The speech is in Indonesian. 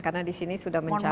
karena disini sudah mencakup